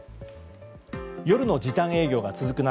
夜の時短営業が続く中